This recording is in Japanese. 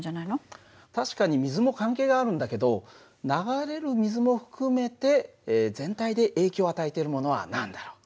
確かに水も関係があるんだけど流れる水も含めて全体で影響を与えてるものは何だろう？